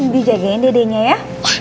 dijagain dedenya ya